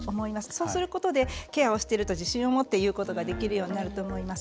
そうすることでケアをしていると自信を持って言うことができるようになると思います。